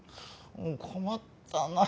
困ったな。